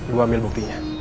gue ambil buktinya